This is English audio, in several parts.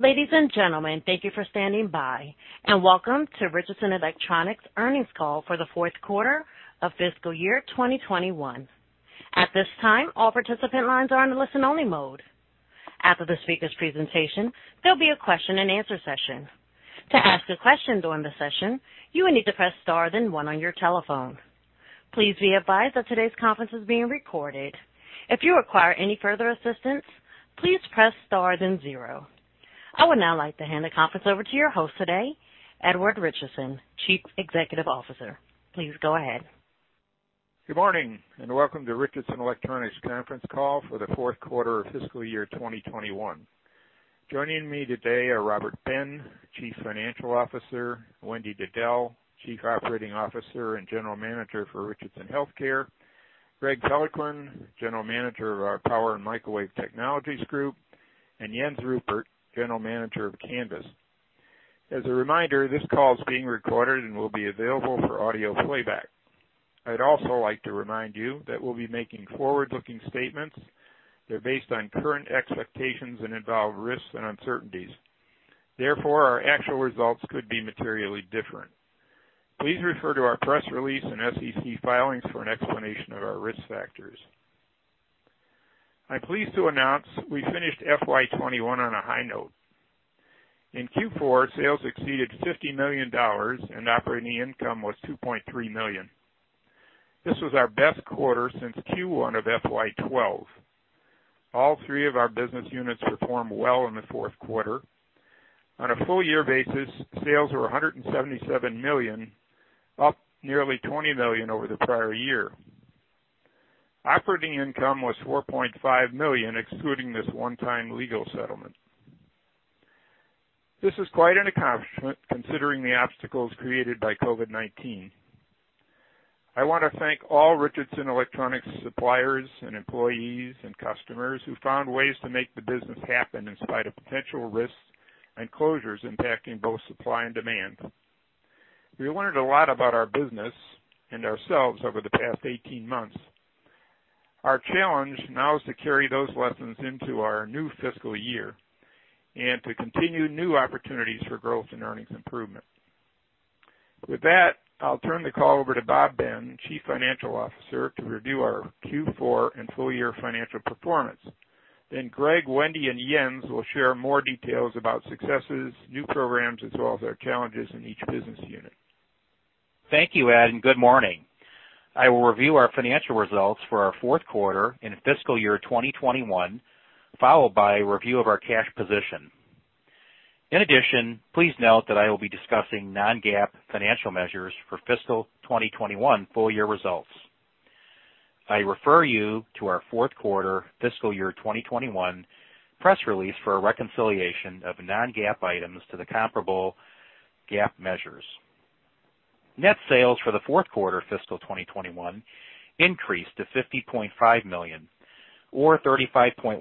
Ladies and gentlemen, thank you for standing by, and welcome to Richardson Electronics earnings call for the fourth quarter of fiscal year 2021. I would now like to hand the conference over to your host today, Edward Richardson, Chief Executive Officer. Please go ahead. Good morning, and welcome to Richardson Electronics conference call for the fourth quarter of fiscal year 2021. Joining me today are Robert Ben, Chief Financial Officer, Wendy Diddell, Chief Operating Officer and General Manager for Richardson Healthcare, Greg Peloquin, General Manager of our Power & Microwave Technologies Group, and Jens Ruppert, General Manager of Canvys. As a reminder, this call is being recorded and will be available for audio playback. I'd also like to remind you that we'll be making forward-looking statements. They're based on current expectations and involve risks and uncertainties. Our actual results could be materially different. Please refer to our press release and SEC filings for an explanation of our risk factors. I'm pleased to announce we finished FY 2021 on a high note. In Q4, sales exceeded $50 million, and operating income was $2.3 million. This was our best quarter since Q1 of FY 2012. All three of our business units performed well in the fourth quarter. On a full-year basis, sales were $177 million, up nearly $20 million over the prior year. Operating income was $4.5 million, excluding this one-time legal settlement. This is quite an accomplishment considering the obstacles created by COVID-19. I want to thank all Richardson Electronics suppliers and employees and customers who found ways to make the business happen in spite of potential risks and closures impacting both supply and demand. We learned a lot about our business and ourselves over the past 18 months. Our challenge now is to carry those lessons into our new fiscal year and to continue new opportunities for growth and earnings improvement. With that, I'll turn the call over to Robert Ben, Chief Financial Officer, to review our Q4 and full-year financial performance. Greg, Wendy, and Jens will share more details about successes, new programs, as well as our challenges in each business unit. Thank you, Ed. Good morning. I will review our financial results for our fourth quarter in FY 2021, followed by a review of our cash position. In addition, please note that I will be discussing non-GAAP financial measures for FY 2021 full-year results. I refer you to our fourth quarter FY 2021 press release for a reconciliation of non-GAAP items to the comparable GAAP measures. Net sales for the fourth quarter FY 2021 increased to $50.5 million or 35.1%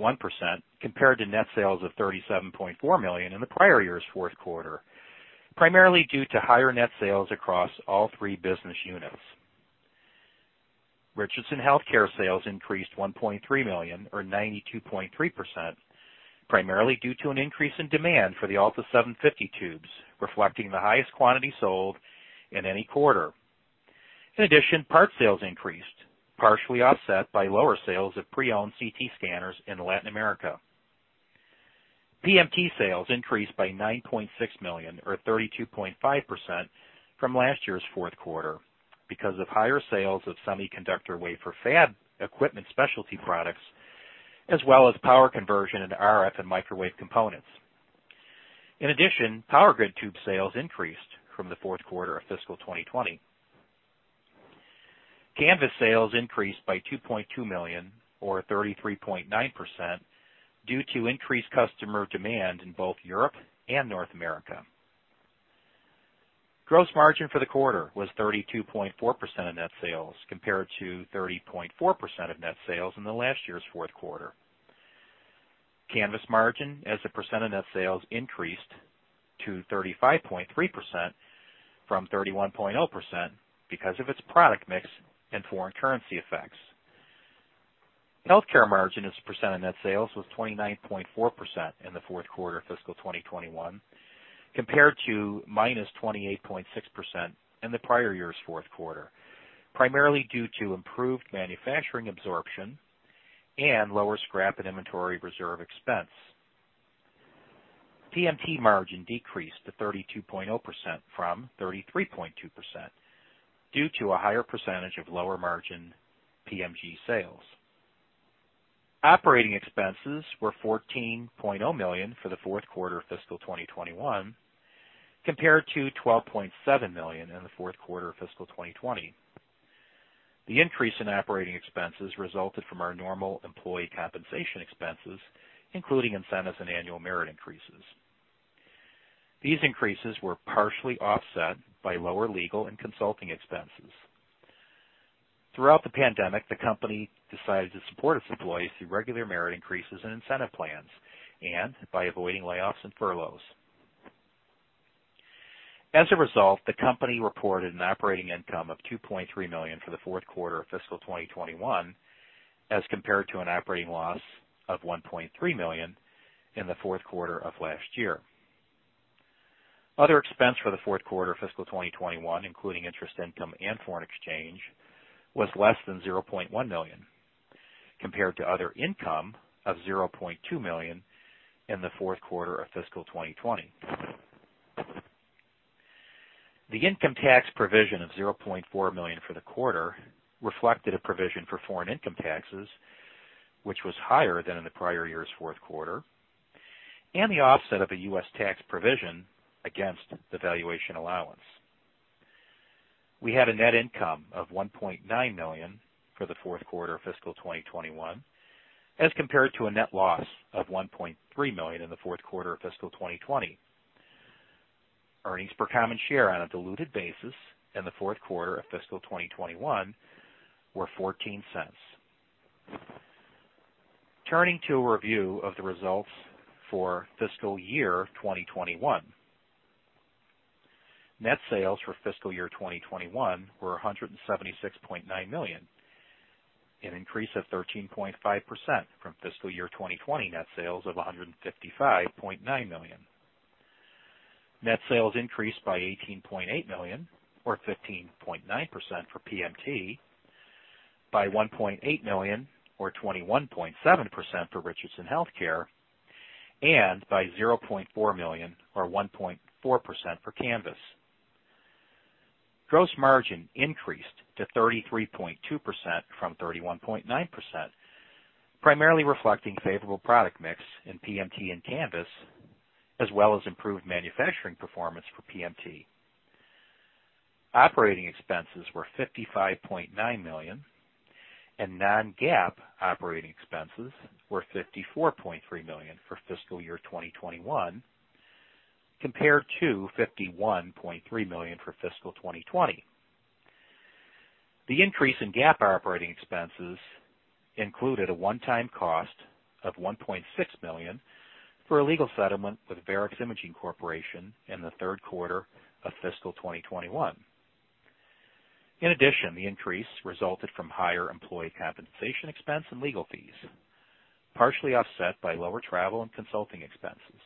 compared to net sales of $37.4 million in the prior year's fourth quarter, primarily due to higher net sales across all three business units. Richardson Healthcare sales increased $1.3 million or 92.3%, primarily due to an increase in demand for the Alta 750 tubes, reflecting the highest quantity sold in any quarter. In addition, part sales increased, partially offset by lower sales of pre-owned CT scanners in Latin America. PMT sales increased by $9.6 million or 32.5% from last year's fourth quarter because of higher sales of semiconductor wafer fab equipment specialty products, as well as power conversion into RF and microwave components. In addition, power grid tube sales increased from the fourth quarter of FY 2020. Canvys sales increased by $2.2 million or 33.9% due to increased customer demand in both Europe and North America. Gross margin for the quarter was 32.4% of net sales, compared to 30.4% of net sales in the last year's fourth quarter. Canvys margin as a percent of net sales increased to 35.3% from 31.0% because of its product mix and foreign currency effects. Healthcare margin as a percent of net sales was 29.4% in the fourth quarter of fiscal 2021, compared to -28.6% in the prior year's fourth quarter, primarily due to improved manufacturing absorption and lower scrap and inventory reserve expense. PMT margin decreased to 32.0% from 33.2% due to a higher percentage of lower-margin PMT sales. Operating expenses were $14.0 million for the fourth quarter of fiscal 2021, compared to $12.7 million in the fourth quarter of fiscal 2020. The increase in operating expenses resulted from our normal employee compensation expenses, including incentives and annual merit increases. These increases were partially offset by lower legal and consulting expenses. Throughout the pandemic, the company decided to support its employees through regular merit increases and incentive plans and by avoiding layoffs and furloughs. As a result, the company reported an operating income of $2.3 million for the fourth quarter of fiscal 2021, as compared to an operating loss of $1.3 million in the fourth quarter of last year. Other expense for the fourth quarter of fiscal 2021, including interest income and foreign exchange, was less than $0.1 million, compared to other income of $0.2 million in the fourth quarter of fiscal 2020. The income tax provision of $0.4 million for the quarter reflected a provision for foreign income taxes, which was higher than in the prior year's fourth quarter, and the offset of a U.S. tax provision against the valuation allowance. We had a net income of $1.9 million for the fourth quarter of fiscal 2021 as compared to a net loss of $1.3 million in the fourth quarter of fiscal 2020. Earnings per common share on a diluted basis in the fourth quarter of fiscal 2021 were $0.14. Turning to a review of the results for fiscal year 2021. Net sales for fiscal year 2021 were $176.9 million, an increase of 13.5% from fiscal year 2020 net sales of $155.9 million. Net sales increased by $18.8 million or 15.9% for PMT, by $1.8 million or 21.7% for Richardson Healthcare, and by $0.4 million or 1.4% for Canvys. Gross margin increased to 33.2% from 31.9%, primarily reflecting favorable product mix in PMT and Canvys, as well as improved manufacturing performance for PMT. Operating expenses were $55.9 million and non-GAAP operating expenses were $54.3 million for fiscal year 2021, compared to $51.3 million for fiscal 2020. The increase in GAAP operating expenses included a one-time cost of $1.6 million for a legal settlement with Varex Imaging Corporation in the third quarter of fiscal 2021. In addition, the increase resulted from higher employee compensation expense and legal fees, partially offset by lower travel and consulting expenses.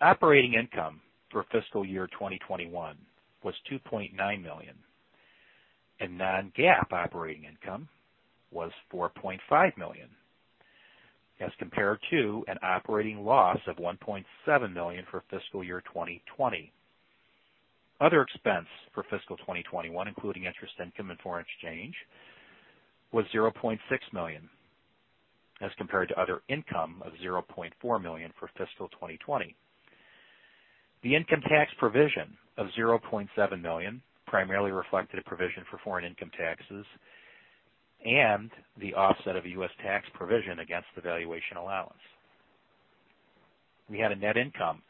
Operating income for fiscal year 2021 was $2.9 million, and non-GAAP operating income was $4.5 million as compared to an operating loss of $1.7 million for fiscal year 2020. Other expense for fiscal 2021, including interest income and foreign exchange, was $0.6 million as compared to other income of $0.4 million for fiscal 2020. The income tax provision of $0.7 million primarily reflected a provision for foreign income taxes and the offset of a U.S. tax provision against the valuation allowance. We had a net income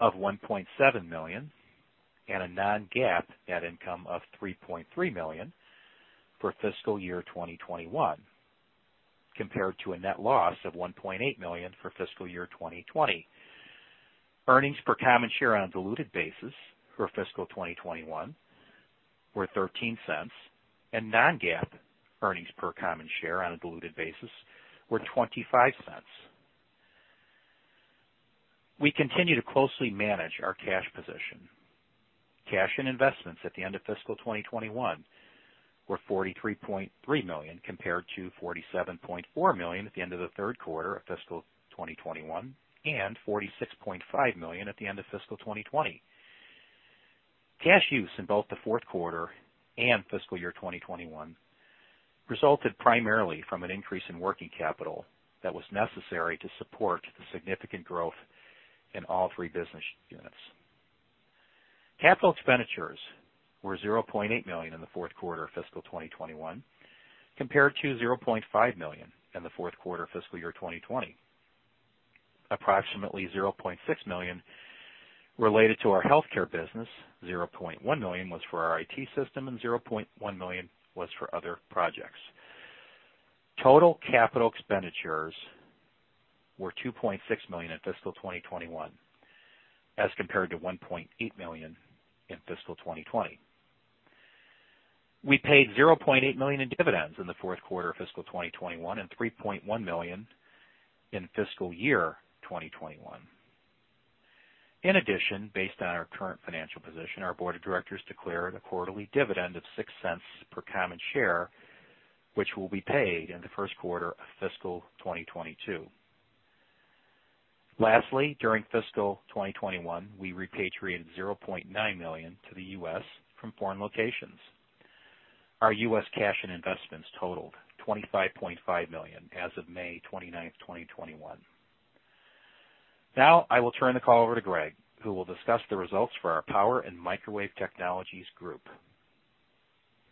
of $1.7 million and a non-GAAP net income of $3.3 million for fiscal year 2021, compared to a net loss of $1.8 million for fiscal year 2020. Earnings per common share on a diluted basis for fiscal 2021 were $0.13, and non-GAAP earnings per common share on a diluted basis were $0.25. We continue to closely manage our cash position. Cash and investments at the end of fiscal 2021 were $43.3 million, compared to $47.4 million at the end of the third quarter of fiscal 2021 and $46.5 million at the end of fiscal 2020. Cash use in both the fourth quarter and fiscal year 2021 resulted primarily from an increase in working capital that was necessary to support the significant growth in all three business units. Capital expenditures were $0.8 million in the fourth quarter of fiscal 2021, compared to $0.5 million in the fourth quarter of fiscal year 2020. Approximately $0.6 million related to our Richardson Healthcare, $0.1 million was for our IT system, and $0.1 million was for other projects. Total capital expenditures were $2.6 million in fiscal 2021 as compared to $1.8 million in fiscal 2020. We paid $0.8 million in dividends in the fourth quarter of fiscal 2021 and $3.1 million in fiscal year 2021. In addition, based on our current financial position, our board of directors declared a quarterly dividend of $0.06 per common share, which will be paid in the first quarter of fiscal 2022. Lastly, during fiscal 2021, we repatriated $0.9 million to the U.S. from foreign locations. Our U.S. cash and investments totaled $25.5 million as of May 29th, 2021. I will turn the call over to Greg, who will discuss the results for our Power & Microwave Technologies Group.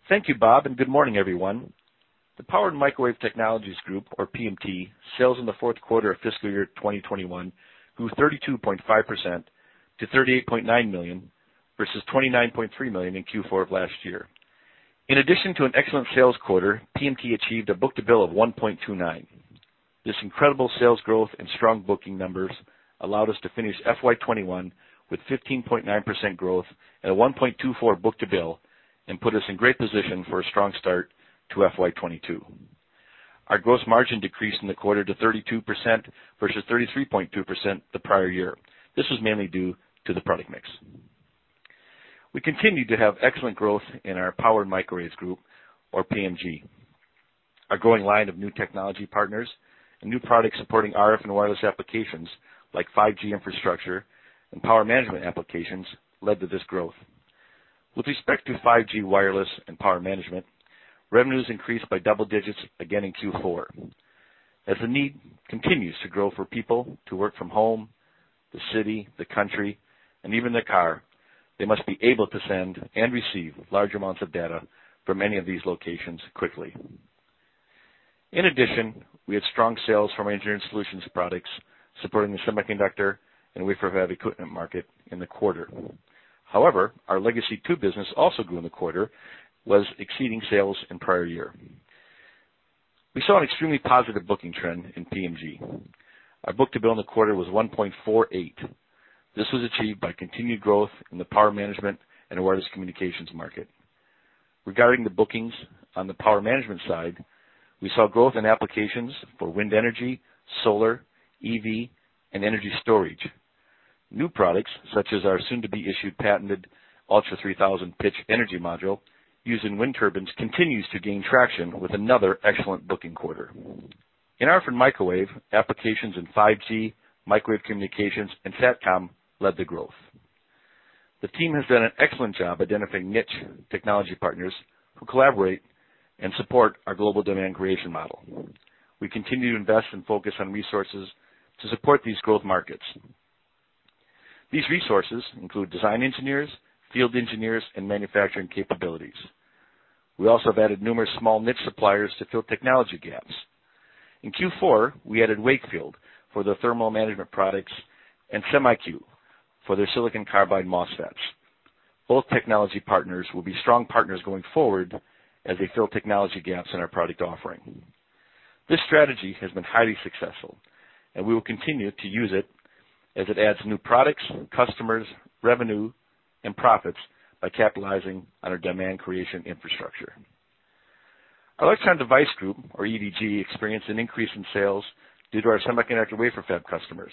Thank you, Bob. Good morning, everyone. The Power & Microwave Technologies Group, or PMT, sales in the fourth quarter of FY 2021 grew 32.5% to $38.9 million versus $29.3 million in Q4 of last year. In addition to an excellent sales quarter, PMT achieved a book-to-bill of 1.29. This incredible sales growth and strong booking numbers allowed us to finish FY 2021 with 15.9% growth at a 1.24 book-to-bill and put us in great position for a strong start to FY 2022. Our gross margin decreased in the quarter to 32% versus 33.2% the prior year. This was mainly due to the product mix. We continued to have excellent growth in our Power & Microwave Technologies Group, or PMT. Our growing line of new technology partners and new products supporting RF and wireless applications like 5G infrastructure and power management applications led to this growth. With respect to 5G wireless and power management, revenues increased by double digits again in Q4. As the need continues to grow for people to work from home, the city, the country, and even the car, they must be able to send and receive large amounts of data from any of these locations quickly. In addition, we had strong sales from our engineering solutions products supporting the semiconductor and wafer fab equipment market in the quarter. However, our legacy tube business also grew in the quarter, thus exceeding sales in prior year. We saw an extremely positive booking trend in PMT. Our book-to-bill in the quarter was 1.48. This was achieved by continued growth in the power management and wireless communications market. Regarding the bookings on the power management side, we saw growth in applications for wind energy, solar, EV, and energy storage. New products, such as our soon-to-be-issued patented ULTRA3000 pitch energy module used in wind turbines, continues to gain traction with another excellent booking quarter. In RF and microwave, applications in 5G, microwave communications, and SatCom led the growth. The team has done an excellent job identifying niche technology partners who collaborate and support our global demand creation model. We continue to invest and focus on resources to support these growth markets. These resources include design engineers, field engineers, and manufacturing capabilities. We also have added numerous small niche suppliers to fill technology gaps. In Q4, we added Wakefield for their thermal management products and SemiQ for their silicon carbide MOSFETs. Both technology partners will be strong partners going forward as they fill technology gaps in our product offering. This strategy has been highly successful, and we will continue to use it as it adds new products, customers, revenue, and profits by capitalizing on our demand creation infrastructure. Our electron device group, or EDG, experienced an increase in sales due to our semiconductor wafer fab customers.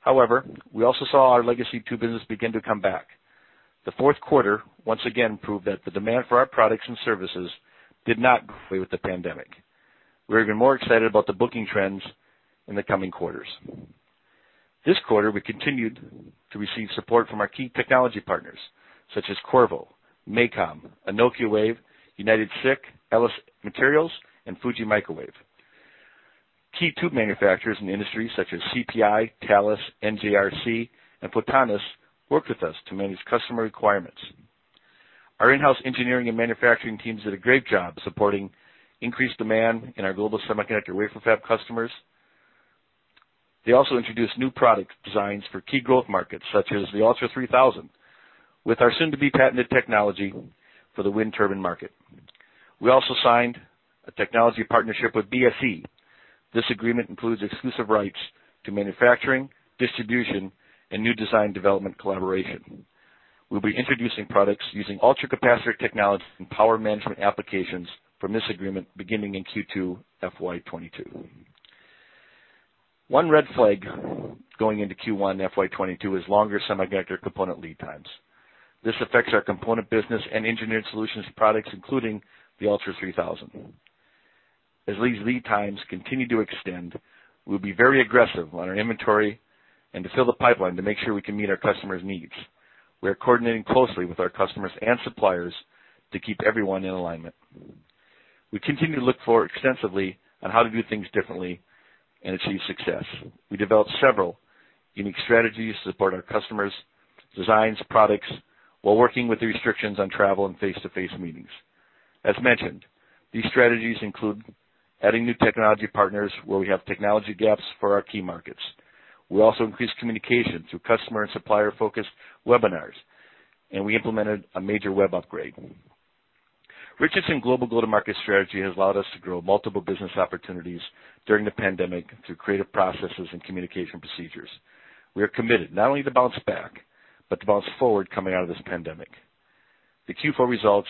However, we also saw our legacy tube business begin to come back. The fourth quarter once again proved that the demand for our products and services did not go away with the pandemic. We're even more excited about the booking trends in the coming quarters. This quarter, we continued to receive support from our key technology partners, such as Qorvo, MACOM, Anokiwave, UnitedSiC, LS Materials, and Fuji Electric. Key tube manufacturers in the industry such as CPI, Thales, NJRC, and Photonis worked with us to manage customer requirements. Our in-house engineering and manufacturing teams did a great job supporting increased demand in our global semiconductor wafer fab customers. They also introduced new product designs for key growth markets such as the ULTRA3000, with our soon-to-be-patented technology for the wind turbine market. We also signed a technology partnership with BSE. This agreement includes exclusive rights to manufacturing, distribution, and new design development collaboration. We'll be introducing products using ultracapacitor technology and power management applications from this agreement beginning in Q2 FY22.One red flag going into Q1 FY22 is longer semiconductor component lead times. This affects our component business and engineered solutions products, including the ULTRA3000. As these lead times continue to extend, we'll be very aggressive on our inventory and to fill the pipeline to make sure we can meet our customers' needs. We are coordinating closely with our customers and suppliers to keep everyone in alignment. We continue to look for extensively on how to do things differently and achieve success. We developed several unique strategies to support our customers' designs, products, while working with the restrictions on travel and face-to-face meetings. As mentioned, these strategies include adding new technology partners where we have technology gaps for our key markets. We also increased communication through customer and supplier-focused webinars, and we implemented a major web upgrade. Richardson global go-to-market strategy has allowed us to grow multiple business opportunities during the pandemic through creative processes and communication procedures. We are committed not only to bounce back, but to bounce forward coming out of this pandemic. The Q4 results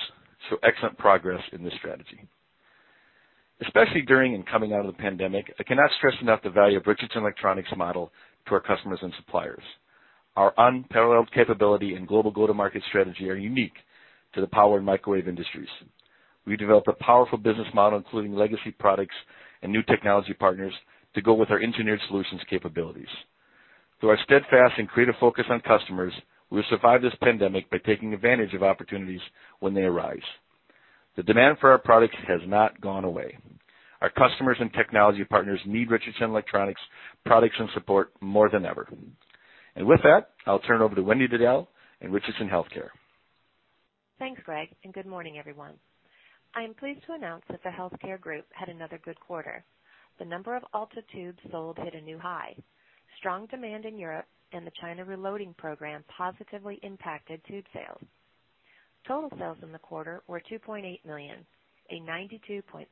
show excellent progress in this strategy. Especially during and coming out of the pandemic, I cannot stress enough the value of Richardson Electronics' model to our customers and suppliers. Our unparalleled capability and global go-to-market strategy are unique to the power and microwave industries. We developed a powerful business model, including legacy products and new technology partners, to go with our engineered solutions capabilities. Through our steadfast and creative focus on customers, we have survived this pandemic by taking advantage of opportunities when they arise. The demand for our products has not gone away. Our customers and technology partners need Richardson Electronics products and support more than ever. With that, I'll turn over to Wendy Diddell in Richardson Healthcare. Thanks, Greg. Good morning, everyone. I am pleased to announce that Richardson Healthcare had another good quarter. The number of Alta tubes sold hit a new high. Strong demand in Europe and the China reloading program positively impacted tube sales. Total sales in the quarter were $2.8 million, a 92.3%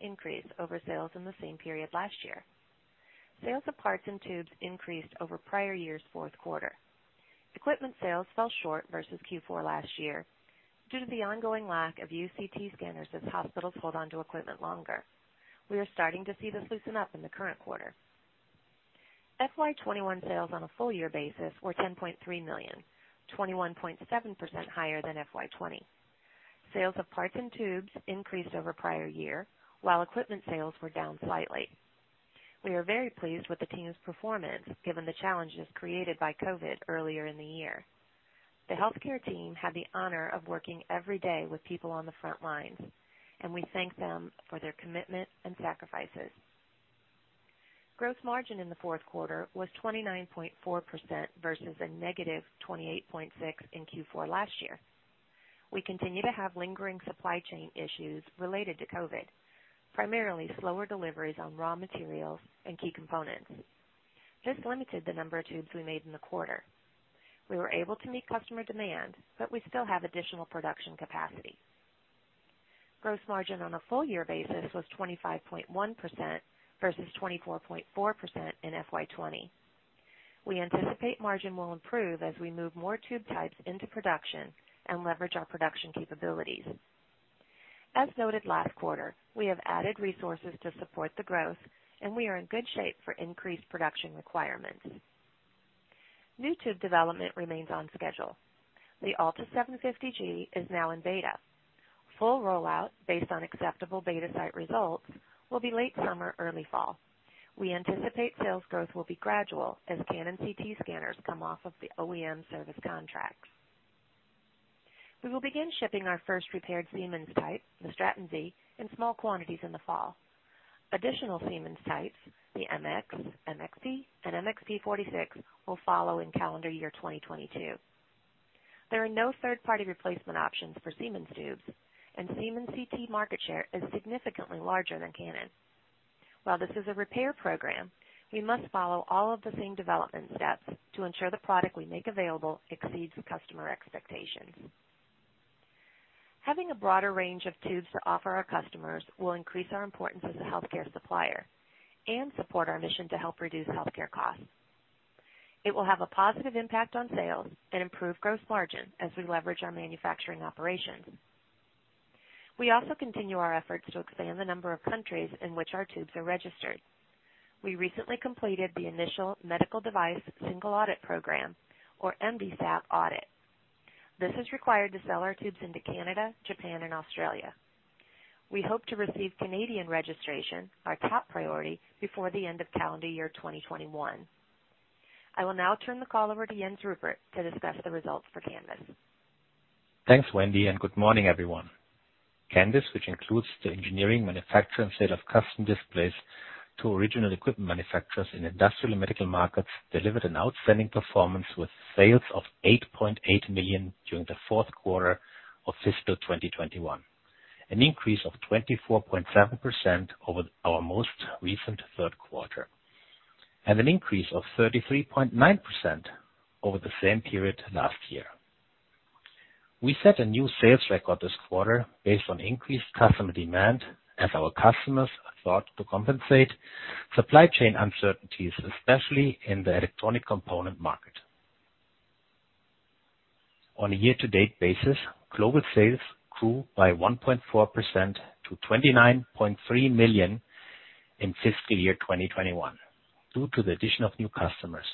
increase over sales in the same period last year. Sales of parts and tubes increased over prior year's fourth quarter. Equipment sales fell short versus Q4 last year due to the ongoing lack of used CT scanners as hospitals hold onto equipment longer. We are starting to see this loosen up in the current quarter. FY 2021 sales on a full-year basis were $10.3 million, 21.7% higher than FY 2020. Sales of parts and tubes increased over prior year, while equipment sales were down slightly. We are very pleased with the team's performance, given the challenges created by COVID earlier in the year. The Healthcare team had the honor of working every day with people on the front lines, and we thank them for their commitment and sacrifices. Gross margin in the fourth quarter was 29.4% versus -28.6% in Q4 last year. We continue to have lingering supply chain issues related to COVID, primarily slower deliveries on raw materials and key components. This limited the number of tubes we made in the quarter. We were able to meet customer demand, but we still have additional production capacity. Gross margin on a full-year basis was 25.1% versus 24.4% in FY 2020. We anticipate margin will improve as we move more tube types into production and leverage our production capabilities. As noted last quarter, we have added resources to support the growth, and we are in good shape for increased production requirements. New tube development remains on schedule. The Alta 750G is now in beta. Full rollout based on acceptable beta site results will be late summer, early fall. We anticipate sales growth will be gradual as Canon CT scanners come off of the OEM service contracts. We will begin shipping our first repaired Siemens type, the Straton Z, in small quantities in the fall. Additional Siemens types, the MX, MX P, and MX P46, will follow in calendar year 2022. There are no third-party replacement options for Siemens tubes, and Siemens CT market share is significantly larger than Canon. While this is a repair program, we must follow all of the same development steps to ensure the product we make available exceeds customer expectations. Having a broader range of tubes to offer our customers will increase our importance as a healthcare supplier and support our mission to help reduce healthcare costs. It will have a positive impact on sales and improve gross margin as we leverage our manufacturing operations. We also continue our efforts to expand the number of countries in which our tubes are registered. We recently completed the initial Medical Device Single Audit Program, or MDSAP audit. This is required to sell our tubes into Canada, Japan, and Australia. We hope to receive Canadian registration, our top priority, before the end of calendar year 2021. I will now turn the call over to Jens Ruppert to discuss the results for Canvys. Thanks, Wendy. Good morning, everyone. Canvys, which includes the engineering, manufacture, and sale of custom displays to original equipment manufacturers in industrial and medical markets, delivered an outstanding performance with sales of $8.8 million during the fourth quarter of fiscal 2021, an increase of 24.7% over our most recent third quarter and an increase of 33.9% over the same period last year. We set a new sales record this quarter based on increased customer demand as our customers sought to compensate supply chain uncertainties, especially in the electronic component market. On a year-to-date basis, global sales grew by 1.4% to $29.3 million in fiscal year 2021 due to the addition of new customers.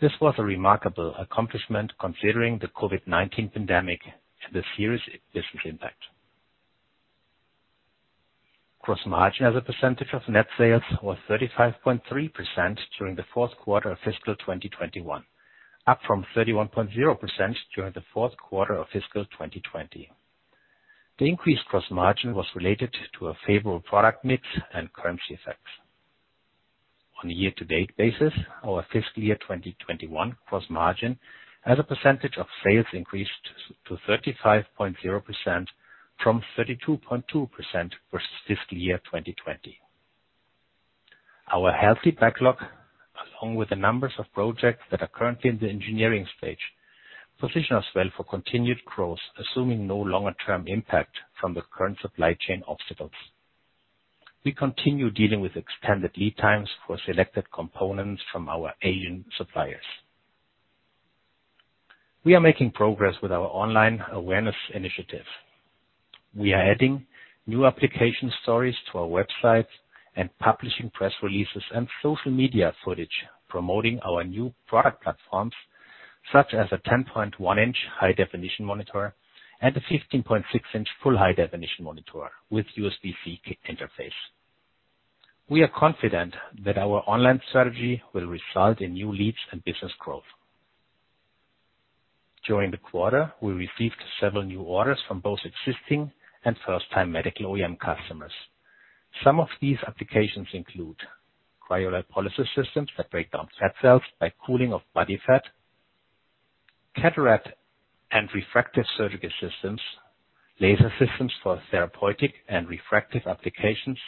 This was a remarkable accomplishment considering the COVID-19 pandemic and the serious business impact. Gross margin as a percentage of net sales was 35.3% during the fourth quarter of fiscal 2021, up from 31.0% during the fourth quarter of fiscal 2020. The increased gross margin was related to a favorable product mix and currency effects. On a year-to-date basis, our fiscal year 2021 gross margin as a percentage of sales increased to 35.0%, from 32.2% for fiscal year 2020. Our healthy backlog, along with the numbers of projects that are currently in the engineering stage, position us well for continued growth, assuming no longer term impact from the current supply chain obstacles. We continue dealing with extended lead times for selected components from our Asian suppliers. We are making progress with our online awareness initiative. We are adding new application stories to our website and publishing press releases and social media footage promoting our new product platforms, such as a 10.1-inch high-definition monitor and a 15.6-inch full high-definition monitor with USB-C interface. We are confident that our online strategy will result in new leads and business growth. During the quarter, we received several new orders from both existing and first-time medical OEM customers. Some of these applications include cryolipolysis systems that break down fat cells by cooling of body fat. Cataract and refractive surgical systems, laser systems for therapeutic and refractive applications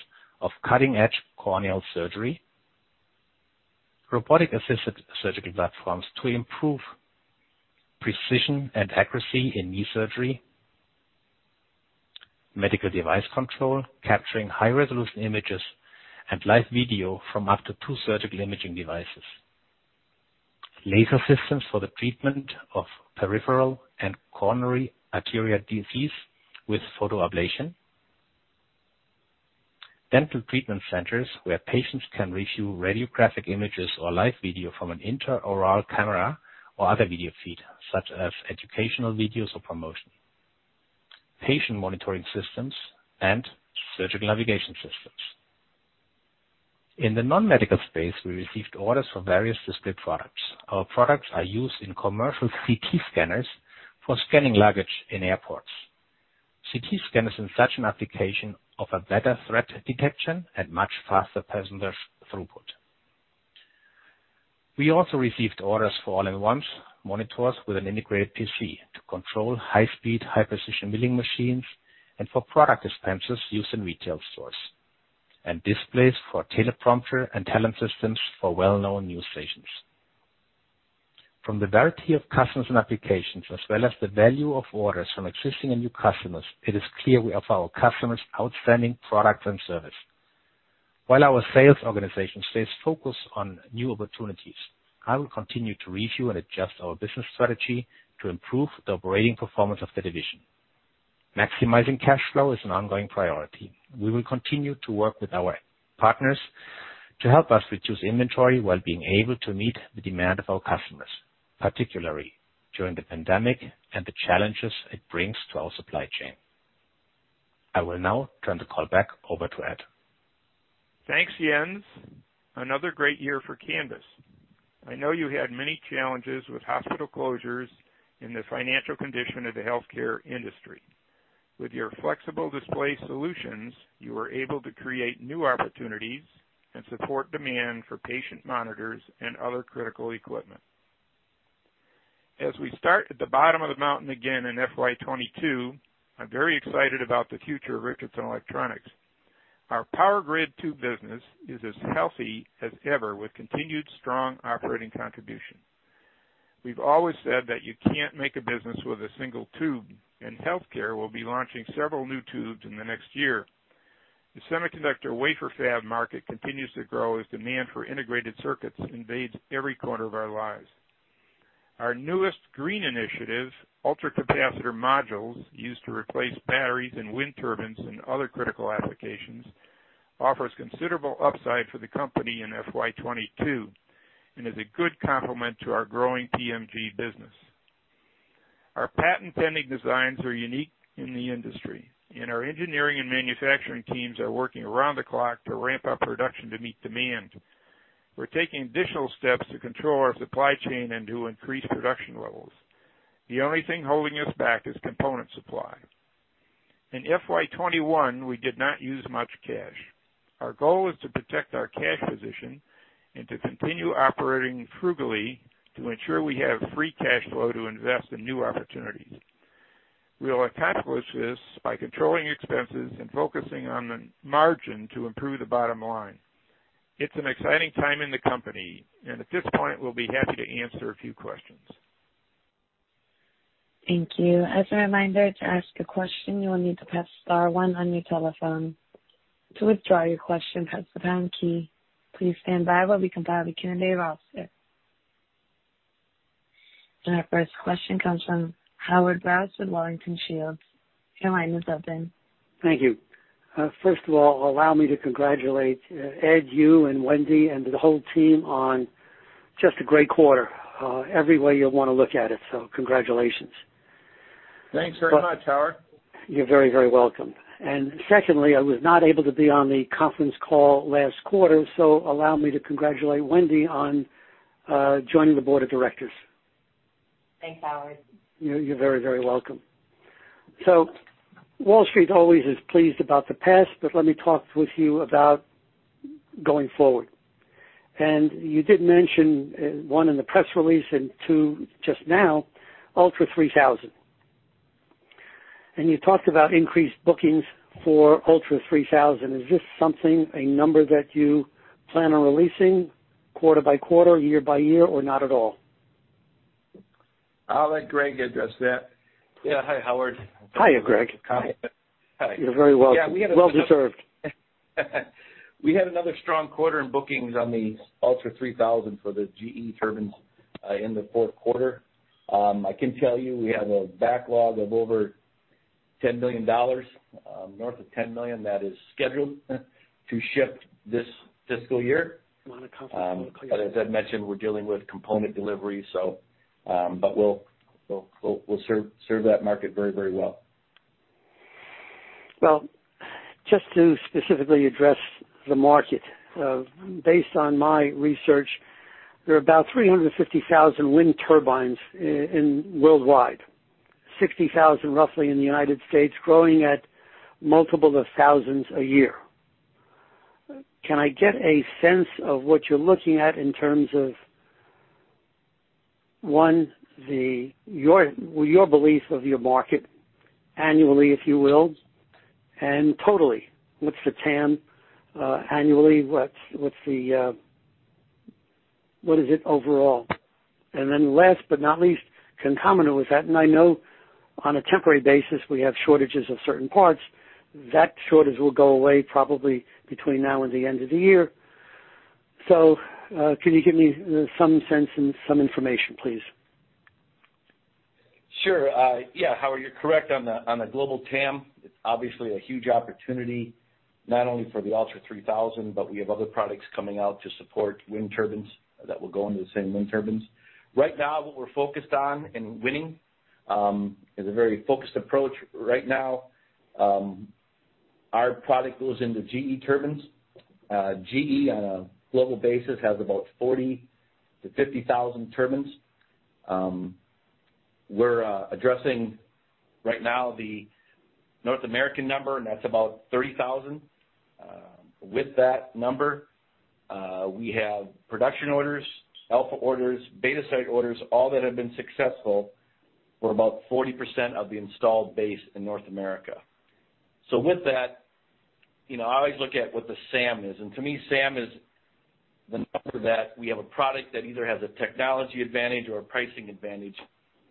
of cutting-edge corneal surgery, robotic-assisted surgical platforms to improve precision and accuracy in knee surgery, medical device control, capturing high-resolution images and live video from up to two surgical imaging devices, laser systems for the treatment of peripheral and coronary arterial disease with photoablation, dental treatment centers where patients can review radiographic images or live video from an intraoral camera or other video feed, such as educational videos or promotion, patient monitoring systems, and surgical navigation systems. In the non-medical space, we received orders for various discrete products. Our products are used in commercial CT scanners for scanning luggage in airports. CT scanners in such an application offer better threat detection and much faster passenger throughput. We also received orders for all-in-one monitors with an integrated PC to control high-speed, high-precision milling machines and for product dispensers used in retail stores, and displays for teleprompter and talent systems for well-known news stations. From the variety of customers and applications, as well as the value of orders from existing and new customers, it is clear we offer our customers outstanding products and service. While our sales organization stays focused on new opportunities, I will continue to review and adjust our business strategy to improve the operating performance of the division. Maximizing cash flow is an ongoing priority. We will continue to work with our partners to help us reduce inventory while being able to meet the demand of our customers, particularly during the pandemic and the challenges it brings to our supply chain. I will now turn the call back over to Ed. Thanks, Jens. Another great year for Canvys. I know you had many challenges with hospital closures and the financial condition of the healthcare industry. With your flexible display solutions, you were able to create new opportunities and support demand for patient monitors and other critical equipment. As we start at the bottom of the mountain again in FY 2022, I'm very excited about the future of Richardson Electronics. Our power grid tube business is as healthy as ever, with continued strong operating contribution. We've always said that you can't make a business with a single tube, and Richardson Healthcare will be launching several new tubes in the next year. The semiconductor wafer fab market continues to grow as demand for integrated circuits invades every corner of our lives. Our newest green initiative, ultracapacitor modules, used to replace batteries in wind turbines and other critical applications, offers considerable upside for the company in FY22 and is a good complement to our growing PMT business. Our patent-pending designs are unique in the industry, and our engineering and manufacturing teams are working around the clock to ramp up production to meet demand. We're taking additional steps to control our supply chain and to increase production levels. The only thing holding us back is component supply. In FY21, we did not use much cash. Our goal is to protect our cash position and to continue operating frugally to ensure we have free cash flow to invest in new opportunities. We will accomplish this by controlling expenses and focusing on the margin to improve the bottom line. It's an exciting time in the company. At this point, we'll be happy to answer a few questions. Thank you. As a reminder, to ask a question, you will need to press star one on your telephone. To withdraw your question, press the pound key. Please stand by while we compile the candidate roster. Our first question comes from Howard Brous with Wellington Shields. Your line is open. Thank you. First of all, allow me to congratulate Ed, you, and Wendy, and the whole team on just a great quarter, every way you want to look at it. Congratulations. Thanks very much, Howard. You're very, very welcome. Secondly, I was not able to be on the conference call last quarter, so allow me to congratulate Wendy on joining the board of directors. Thanks, Howard. You're very, very welcome. Wall Street always is pleased about the past, let me talk with you about going forward. You did mention, one, in the press release, and two, just now, ULTRA3000. You talked about increased bookings for ULTRA3000. Is this something, a number that you plan on releasing quarter by quarter, year by year, or not at all? I'll let Greg address that. Yeah. Hi, Howard. Hiya, Greg. Hi. You're very welcome. Well deserved. We had another strong quarter in bookings on the ULTRA3000 for the GE turbines in the fourth quarter. I can tell you we have a backlog of over $10 million, north of $10 million, that is scheduled to ship this fiscal year. As Ed mentioned, we're dealing with component delivery, but we'll serve that market very well. Well, just to specifically address the market. Based on my research, there are about 350,000 wind turbines worldwide. 60,000 roughly in the U.S., growing at multiples of thousands a year. Can I get a sense of what you're looking at in terms of, one, your belief of your market annually, if you will, and totally, what's the TAM annually? What is it overall? Last but not least, concomitant with that, I know on a temporary basis, we have shortages of certain parts. That shortage will go away probably between now and the end of the year. Can you give me some sense and some information, please? Sure. Yeah, Howard, you're correct on the global TAM. It's obviously a huge opportunity not only for the ULTRA3000, but we have other products coming out to support wind turbines that will go into the same wind turbines. Right now, what we're focused on in winning, is a very focused approach right now. Our product goes into GE turbines. GE, on a global basis, has about 40,000 - 50,000 turbines. We're addressing right now the North American number. That's about 30,000. With that number, we have production orders, alpha orders, beta site orders, all that have been successful, for about 40% of the installed base in North America. With that, I always look at what the SAM is. To me, SAM is the number that we have a product that either has a technology advantage or a pricing advantage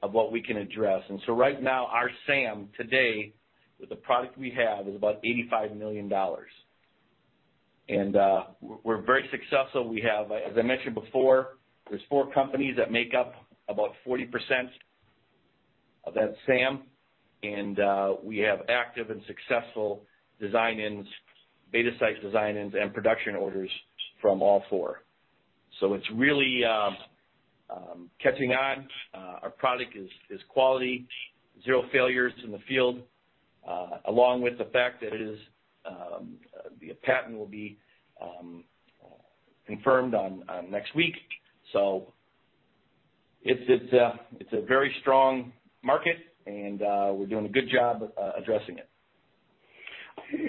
of what we can address. Right now, our SAM today, with the product we have, is about $85 million. We're very successful. As I mentioned before, there's four companies that make up about 40% of that SAM, and we have active and successful design-ins, beta site design-ins, and production orders from all four. It's really catching on. Our product is quality, zero failures in the field, along with the fact that the patent will be confirmed next week. It's a very strong market, and we're doing a good job addressing it.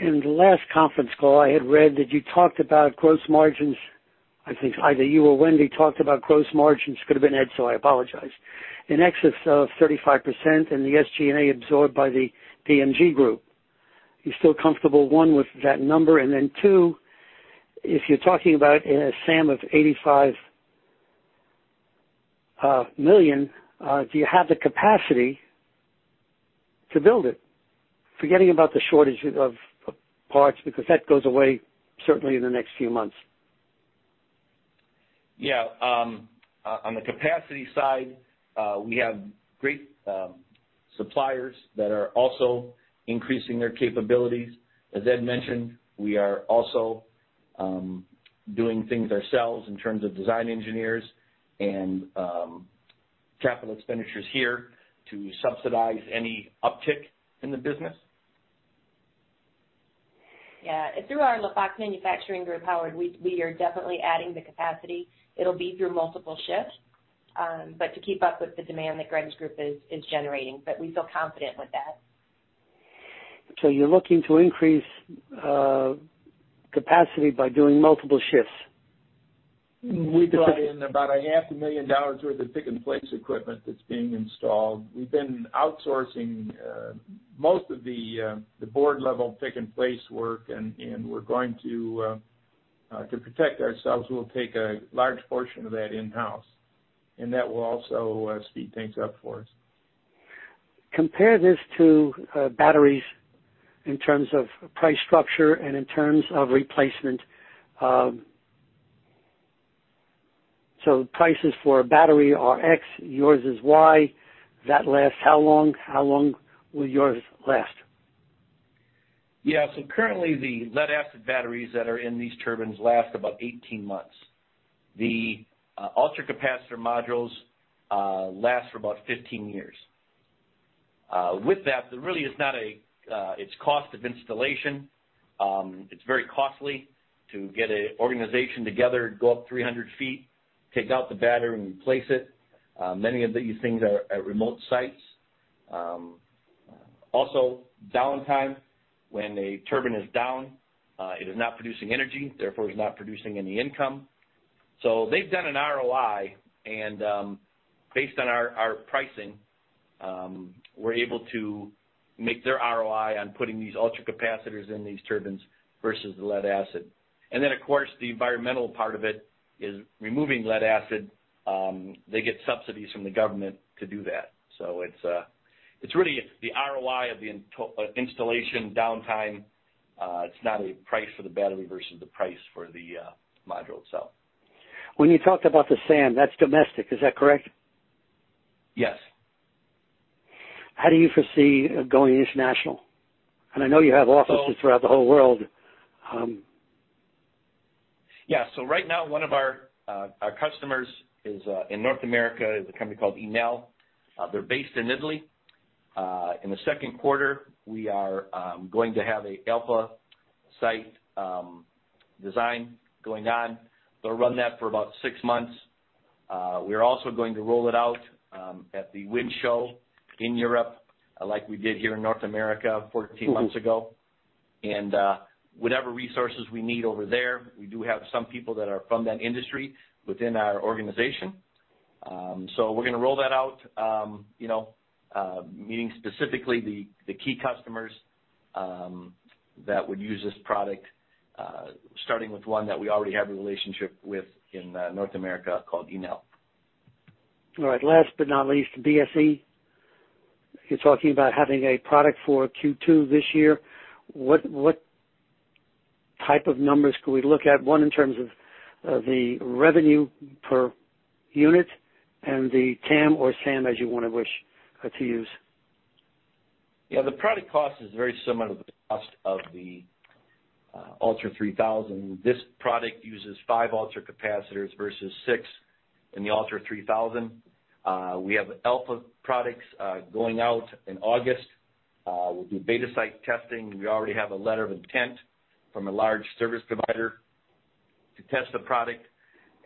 In the last conference call, I had read that you talked about gross margins. I think either you or Wendy talked about gross margins. Could have been Ed, so I apologize. In excess of 35%, the SG&A absorbed by the PMG group. You still comfortable, one, with that number, and then two, if you're talking about a SAM of $85 million, do you have the capacity to build it? Forgetting about the shortage of parts, because that goes away certainly in the next few months. On the capacity side, we have great suppliers that are also increasing their capabilities. As Ed mentioned, we are also doing things ourselves in terms of design engineers and capital expenditures here to subsidize any uptick in the business. Yeah. Through our LaFox manufacturing group, Howard, we are definitely adding the capacity. It'll be through multiple shifts, but to keep up with the demand that Greg's group is generating, but we feel confident with that. You're looking to increase capacity by doing multiple shifts? We brought in about a $500,000 million worth of pick-and-place equipment that's being installed. We've been outsourcing most of the board-level pick-and-place work. We're going to protect ourselves. We'll take a large portion of that in-house. That will also speed things up for us. Compare this to batteries in terms of price structure and in terms of replacement. Prices for a battery are X, yours is Y. That lasts how long? How long will yours last? Currently, the lead-acid batteries that are in these turbines last about 18 months. The ultracapacitor modules last for about 15 years. With that, it's cost of installation. It's very costly to get an organization together, go up 300 ft, take out the battery, and replace it. Many of these things are at remote sites. Also, downtime. When a turbine is down, it is not producing energy, therefore, is not producing any income. They've done an ROI, and based on our pricing, we're able to make their ROI on putting these ultracapacitors in these turbines versus the lead acid. Of course, the environmental part of it is removing lead acid. They get subsidies from the government to do that. It's really the ROI of the installation downtime. It's not a price for the battery versus the price for the module itself. When you talked about the SAM, that's domestic, is that correct? Yes. How do you foresee going international? I know you have offices throughout the whole world. Right now, one of our customers in North America is a company called Enel. They're based in Italy. In the second quarter, we are going to have an alpha site design going on. They'll run that for about six months. We're also going to roll it out at the WindEnergy Hamburg in Europe, like we did here in North America 14 months ago. Whatever resources we need over there, we do have some people that are from that industry within our organization. We're going to roll that out, meeting specifically the key customers that would use this product, starting with one that we already have a relationship with in North America called Enel. All right. Last but not least, BSE. You're talking about having a product for Q2 this year. What type of numbers could we look at, one, in terms of the revenue per unit and the TAM or SAM, as you want to wish to use? Yeah, the product cost is very similar to the cost of the ULTRA3000. This product uses five ultracapacitors versus six in the ULTRA3000. We have alpha products going out in August. We'll do beta site testing. We already have a letter of intent from a large service provider to test the product,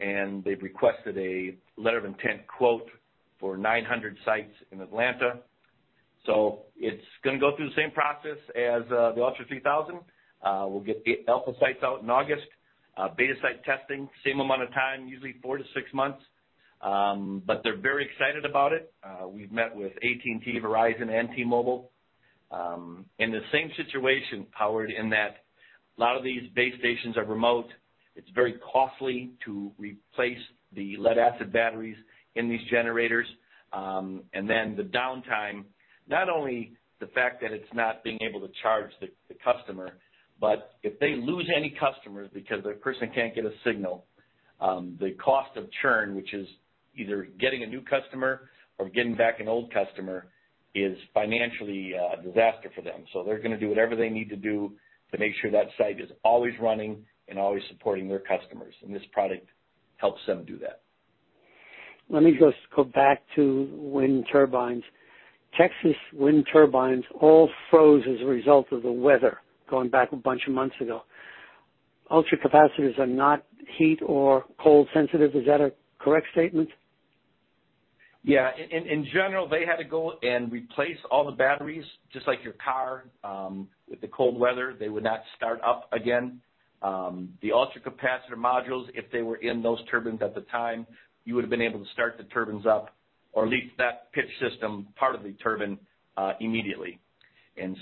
and they've requested a letter of intent quote for 900 sites in Atlanta. It's going to go through the same process as the ULTRA3000. We'll get the alpha sites out in August. Beta site testing, same amount of time, usually four-six months. They're very excited about it. We've met with AT&T, Verizon, and T-Mobile. In the same situation, Howard, in that a lot of these base stations are remote. It's very costly to replace the lead-acid batteries in these generators. The downtime, not only the fact that it's not being able to charge the customer, but if they lose any customers because a person can't get a signal, the cost of churn, which is either getting a new customer or getting back an old customer, is financially a disaster for them. They're gonna do whatever they need to do to make sure that site is always running and always supporting their customers, and this product helps them do that. Let me just go back to wind turbines. Texas wind turbines all froze as a result of the weather going back a bunch of months ago. Ultracapacitors are not heat or cold sensitive, is that a correct statement? In general, they had to go and replace all the batteries, just like your car. With the cold weather, they would not start up again. The ultracapacitor modules, if they were in those turbines at the time, you would have been able to start the turbines up or at least that pitch system, part of the turbine, immediately. We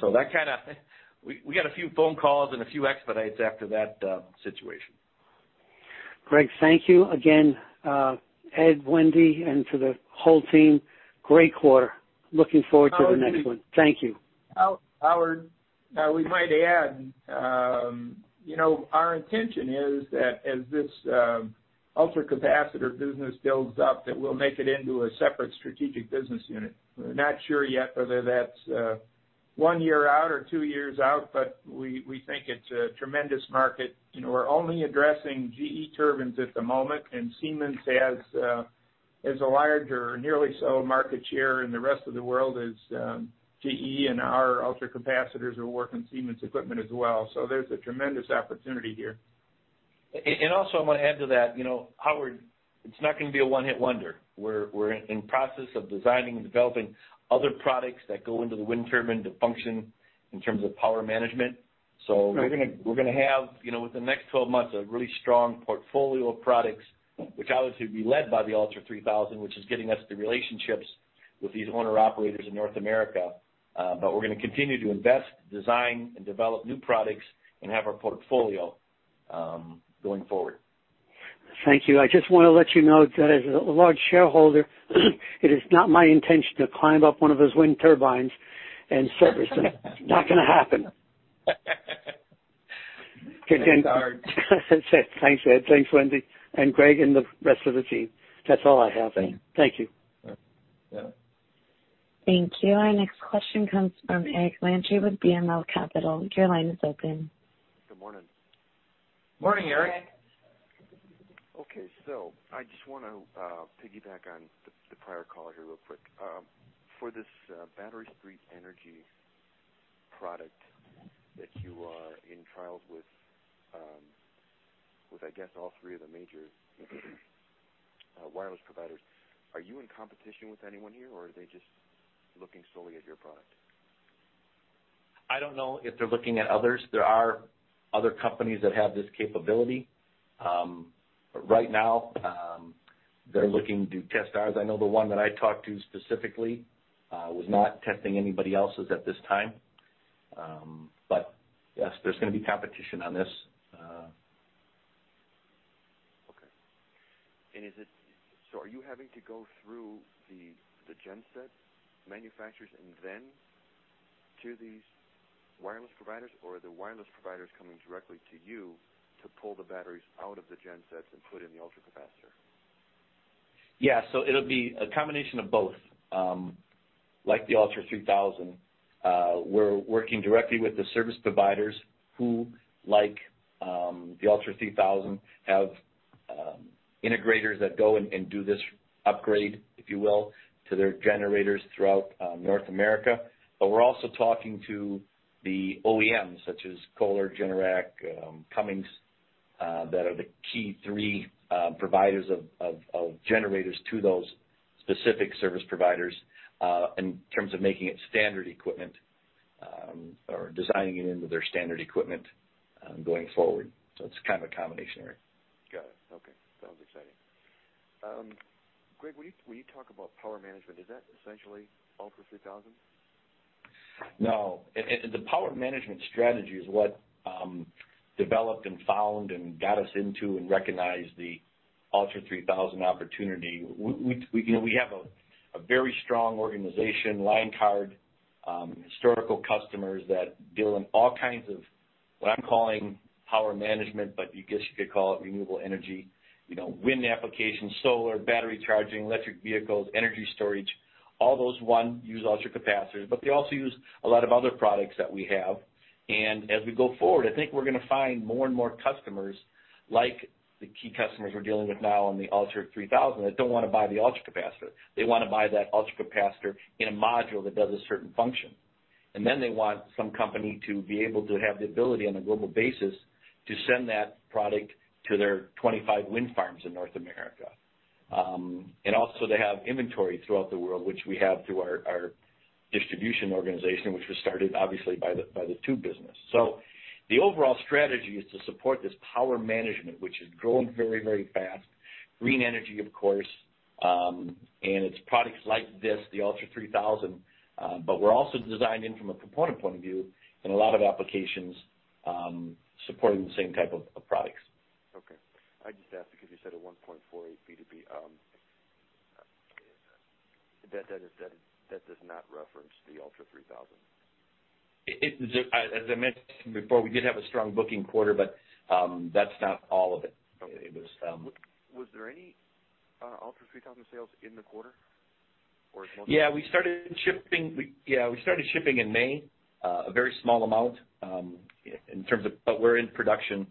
got a few phone calls and a few expedites after that situation. Greg, thank you. Again, Ed, Wendy, and to the whole team, great quarter. Looking forward to the next one. Thank you. Howard. We might add, our intention is that as this ultracapacitor business builds up, that we'll make it into a separate strategic business unit. We're not sure yet whether that's one year out or two years out. We think it's a tremendous market. We're only addressing GE turbines at the moment. Siemens has a larger, or nearly so, market share in the rest of the world as GE. Our ultracapacitors will work on Siemens equipment as well. There's a tremendous opportunity here. Also, I want to add to that, Howard, it's not going to be a one-hit wonder. We're in process of designing and developing other products that go into the wind turbine to function in terms of power management. We're going to have, within the next 12 months, a really strong portfolio of products, which obviously will be led by the ULTRA3000, which is getting us the relationships with these owner-operators in North America. We're going to continue to invest, design, and develop new products and have our portfolio going forward. Thank you. I just want to let you know that as a large shareholder, it is not my intention to climb up one of those wind turbines and service them. Not gonna happen. Thanks, Howard. That's it. Thanks, Ed. Thanks, Wendy and Greg and the rest of the team. That's all I have. Thank you. Yeah. Thank you. Our next question comes from Eric Landry with BML Capital. Your line is open. Good morning. Morning, Eric. Morning. Okay, I just want to piggyback on the prior caller here real quick. For this Battery Street Energy product that you are in trials with, I guess all three of the major wireless providers, are you in competition with anyone here, or are they just looking solely at your product? I don't know if they're looking at others. There are other companies that have this capability. Right now, they're looking to test ours. I know the one that I talked to specifically was not testing anybody else's at this time. Yes, there's gonna be competition on this. Okay. Are you having to go through the genset manufacturers and then to these wireless providers, or are the wireless providers coming directly to you to pull the batteries out of the gensets and put in the ultracapacitor? Yeah. It'll be a combination of both. Like the ULTRA3000, we're working directly with the service providers who, like the ULTRA3000, have integrators that go and do this Upgrade, if you will, to their generators throughout North America. We're also talking to the OEMs, such as Kohler, Generac, Cummins, that are the key three providers of generators to those specific service providers in terms of making it standard equipment or designing it into their standard equipment going forward. It's kind of a combination, Eric. Got it. Okay. Sounds exciting. Greg, when you talk about power management, is that essentially ULTRA3000? No. The power management strategy is what developed and found and got us into and recognized the ULTRA3000 opportunity. We have a very strong organization, line card, historical customers that deal in all kinds of what I'm calling power management, I guess you could call it renewable energy, wind applications, solar, battery charging, electric vehicles, energy storage. All those, one, use ultracapacitors, they also use a lot of other products that we have. As we go forward, I think we're going to find more and more customers, like the key customers we're dealing with now on the ULTRA3000, that don't want to buy the ultracapacitor. They want to buy that ultracapacitor in a module that does a certain function. They want some company to be able to have the ability on a global basis to send that product to their 25 wind farms in North America. Also, they have inventory throughout the world, which we have through our distribution organization, which was started obviously by the tube business. The overall strategy is to support this power management, which is growing very fast. Green energy, of course, and it's products like this, the ULTRA3000, but we're also designing from a component point of view in a lot of applications, supporting the same type of products. Okay. I just asked because you said a 1.48 book-to-bill. That does not reference the ULTRA3000. As I mentioned before, we did have a strong booking quarter, but that's not all of it. Okay. Was there any ULTRA3000 sales in the quarter? Yeah, we started shipping in May, a very small amount. We're in production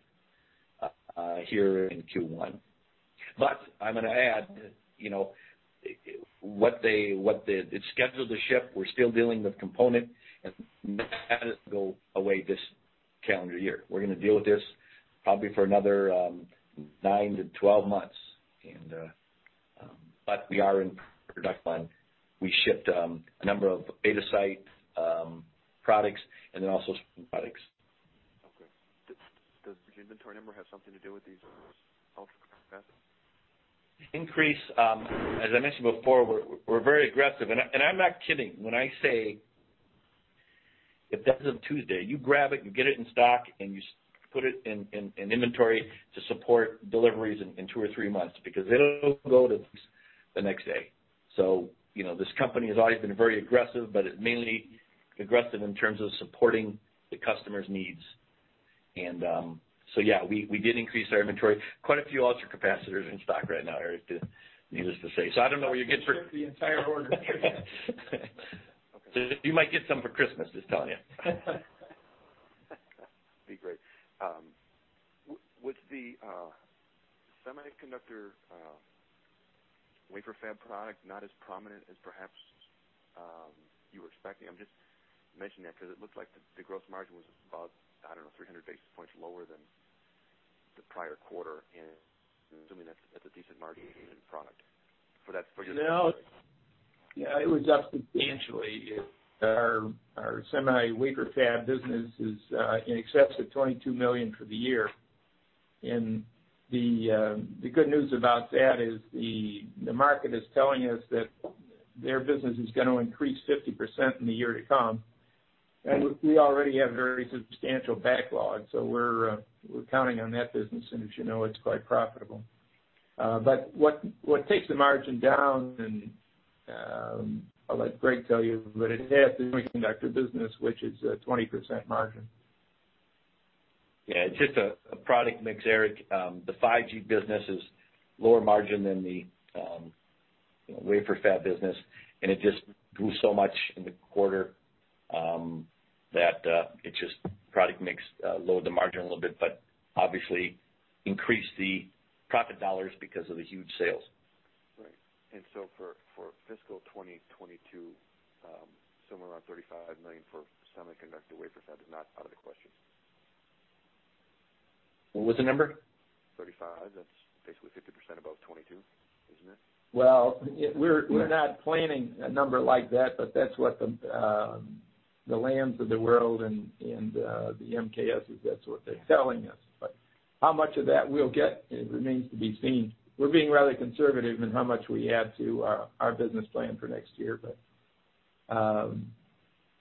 here in Q1. I'm going to add, it's scheduled to ship. We're still dealing with component, and that will go away this calendar year. We're going to deal with this probably for another nine-12 months. We are in production. We shipped a number of beta site products and then also some products. Okay. Does the inventory number have something to do with these ultracapacitors? Increase, as I mentioned before, we're very aggressive, and I'm not kidding when I say if that was on Tuesday, you grab it, you get it in stock, and you put it in inventory to support deliveries in two or three months, because it'll go to the next day. This company has always been very aggressive, but it's mainly aggressive in terms of supporting the customer's needs. Yeah, we did increase our inventory. Quite a few ultracapacitors in stock right now, Eric, needless to say. I don't know what you're getting. Ship the entire order. Okay. You might get some for Christmas, just telling you. That'd be great. Was the semiconductor wafer fab product not as prominent as perhaps you were expecting? I'm just mentioning that because it looks like the gross margin was about, I don't know, 300 basis points lower than the prior quarter, and I'm assuming that's a decent margin product. No. It was up substantially. Our semi wafer fab business is in excess of $22 million for the year, and the good news about that is the market is telling us that their business is going to increase 50% in the year to come, and we already have very substantial backlog, so we're counting on that business, and as you know, it's quite profitable. What takes the margin down, and I'll let Greg tell you, but it has the semiconductor business, which is a 20% margin. Yeah, it's just a product mix, Eric. The 5G business is lower margin than the wafer fab business, and it grew so much in the quarter that product mix lowered the margin a little bit, but obviously increased the profit dollars because of the huge sales. Right. For FY 2022, somewhere around $35 million for semiconductor wafer fab is not out of the question? What was the number? 35. That's basically 50% above 22, isn't it? Well, we're not planning a number like that, but that's what the Lams of the world and the MKSs, that's what they're selling us. How much of that we'll get, it remains to be seen. We're being rather conservative in how much we add to our business plan for next year, but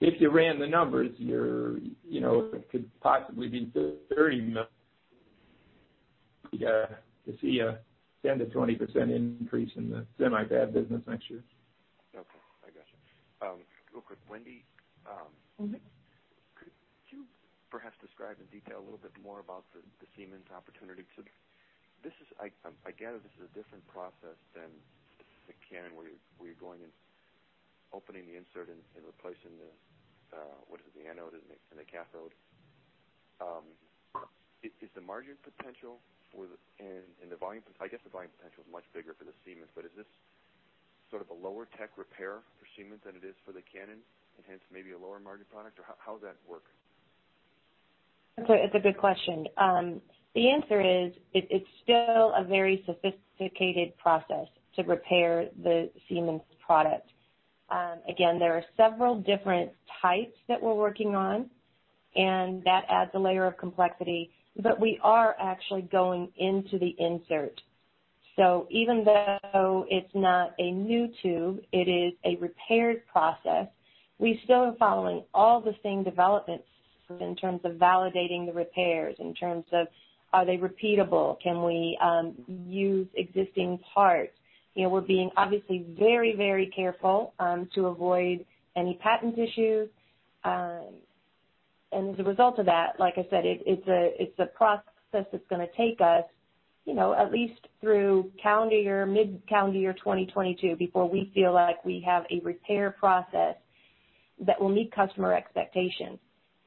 if you ran the numbers, it could possibly be $30 million to see a 10%-20% increase in the semi fab business next year. Okay. I got you. Real quick, Wendy? Could you perhaps describe in detail a little bit more about the Siemens opportunity? I gather this is a different process than the specific Canon where you're going and opening the insert and replacing the, what is it, the anode and the cathode? Is the margin potential and I guess the volume potential is much bigger for the Siemens, is this sort of a lower tech repair for Siemens than it is for the Canon, hence maybe a lower margin product? How does that work? That's a good question. The answer is, it's still a very sophisticated process to repair the Siemens product. Again, there are several different types that we're working on, and that adds a layer of complexity, but we are actually going into the insert. Even though it's not a new tube, it is a repaired process. We still are following all the same developments in terms of validating the repairs, in terms of are they repeatable? Can we use existing parts? We're being obviously very careful to avoid any patent issues. As a result of that, like I said, it's a process that's going to take us at least through mid-calendar year 2022 before we feel like we have a repair process that will meet customer expectations.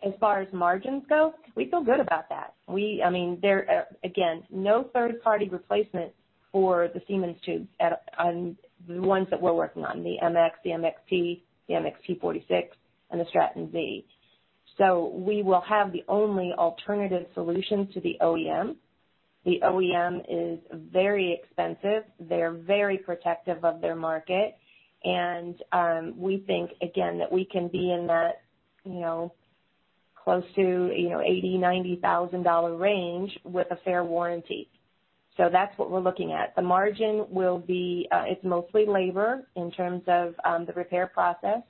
As far as margins go, we feel good about that. Again, no third-party replacement for the Siemens tubes on the ones that we're working on, the MX, the MXP, the MXP 46, and the Straton Z. We will have the only alternative solution to the OEM. The OEM is very expensive. They're very protective of their market. We think, again, that we can be in that close to $80,000-$90,000 range with a fair warranty. That's what we're looking at. The margin will be, it's mostly labor in terms of the repair process,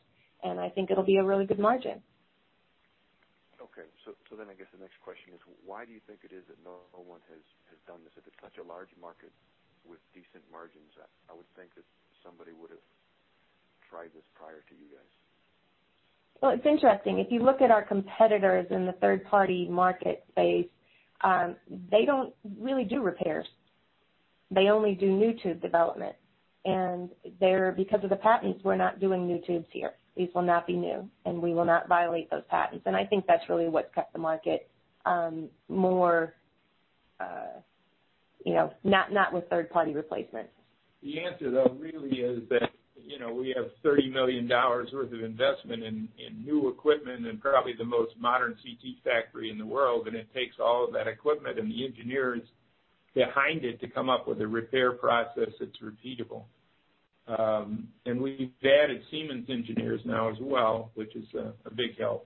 and I think it'll be a really good margin. Okay. I guess the next question is, why do you think it is that no one has done this if it's such a large market with decent margins? I would think that somebody would have tried this prior to you guys. Well, it's interesting. If you look at our competitors in the third-party market space, they don't really do repairs. They only do new tube development. Because of the patents, we're not doing new tubes here. These will not be new, and we will not violate those patents. I think that's really what's kept the market more not with third-party replacements. The answer, though, really is that we have $30 million worth of investment in new equipment and probably the most modern CT factory in the world. It takes all of that equipment and the engineers behind it to come up with a repair process that's repeatable. We've added Siemens engineers now as well, which is a big help.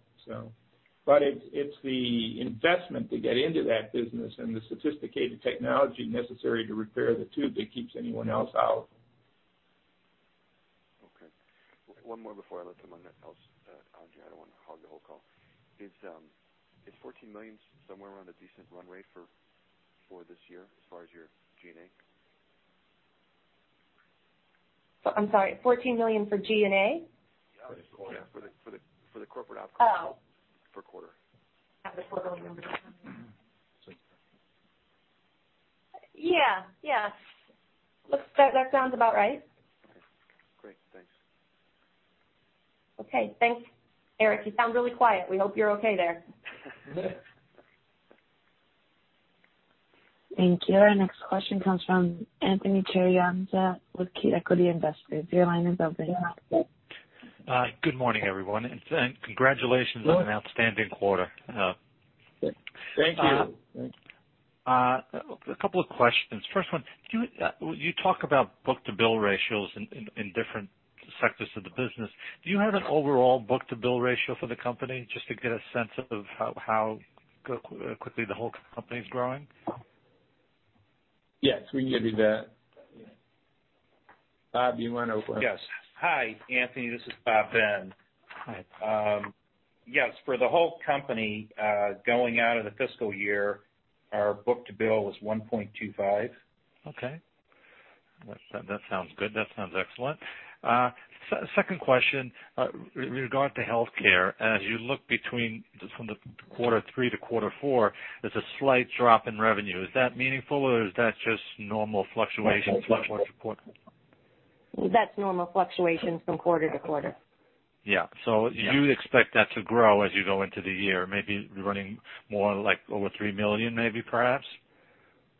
It's the investment to get into that business and the sophisticated technology necessary to repair the tube that keeps anyone else out. Okay. One more before I let someone else on here. I don't want to hog the whole call. Is $14 million somewhere around a decent run rate for this year as far as your G&A? I'm sorry, $14 million for G&A? Yeah. Oh for a quarter. I have the quarter numbers somewhere. Yeah. That sounds about right. Okay. Great. Thanks. Okay. Thanks. Eric, you sound really quiet. We hope you're okay there. Thank you. Our next question comes from Anthony Cherianza with Key Equity Investors. Your line is open. Good morning, everyone, and congratulations on an outstanding quarter. Thank you. A couple of questions. First one, you talk about book-to-bill ratios in different sectors of the business. Do you have an overall book-to-bill ratio for the company just to get a sense of how quickly the whole company is growing? Yes, we can give you that. Bob, do you want to go for it? Yes. Hi, Anthony. This is Robert Ben. Hi. Yes, for the whole company, going out of the fiscal year, our book-to-bill was 1.25. Okay. That sounds good. That sounds excellent. Second question, regard to healthcare, as you look from the quarter three to quarter four, there's a slight drop in revenue. Is that meaningful, or is that just normal fluctuation quarter-to-quarter? That's normal fluctuation from quarter to quarter. Yeah. You expect that to grow as you go into the year, maybe running more like over $3 million, maybe perhaps?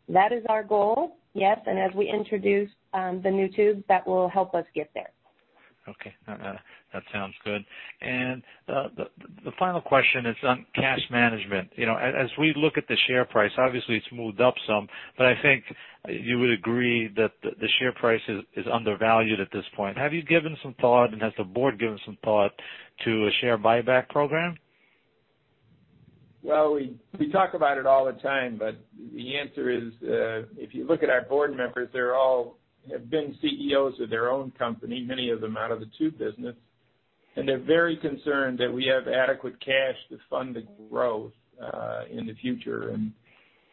That is our goal, yes. As we introduce the new tubes, that will help us get there. Okay. That sounds good. The final question is on cash management. As we look at the share price, obviously it's moved up some, but I think you would agree that the share price is undervalued at this point. Have you given some thought, and has the board given some thought to a share buyback program? Well, we talk about it all the time, but the answer is, if you look at our board members, they all have been CEOs of their own company, many of them out of the tube business. They're very concerned that we have adequate cash to fund the growth in the future.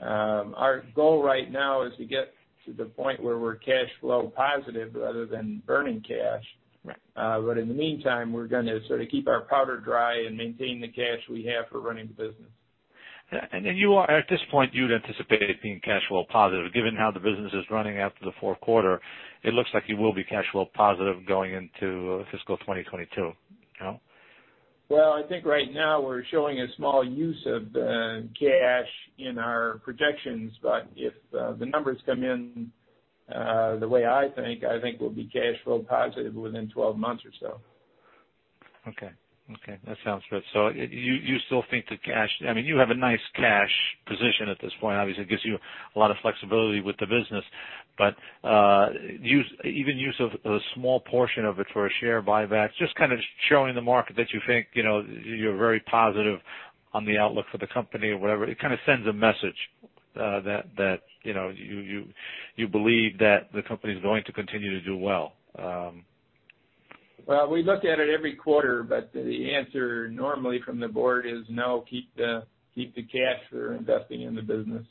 Our goal right now is to get to the point where we're cash flow positive rather than burning cash. Right. In the meantime, we're going to sort of keep our powder dry and maintain the cash we have for running the business. At this point, you'd anticipate being cash flow positive. Given how the business is running after the fourth quarter, it looks like you will be cash flow positive going into fiscal 2022. No? Well, I think right now we're showing a small use of the cash in our projections, but if the numbers come in the way I think, I think we'll be cash flow positive within 12 months or so. Okay. That sounds good. You have a nice cash position at this point, obviously, it gives you a lot of flexibility with the business, but even use of a small portion of it for a share buyback, just kind of showing the market that you think you're very positive on the outlook for the company or whatever. It kind of sends a message that you believe that the company's going to continue to do well. Well, we look at it every quarter, but the answer normally from the board is no, keep the cash for investing in the business.